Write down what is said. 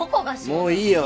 もういいよ。